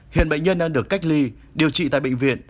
hiện bệnh nhân đang được cách ly điều trị tại bệnh viện